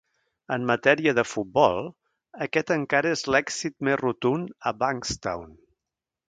En matèria de futbol, aquest encara és l'èxit més rotund a Bankstown.